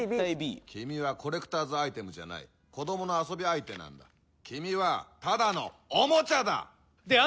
君はコレクターズアイテムじゃない子どもの遊び相手なんだ君はただのおもちゃだ！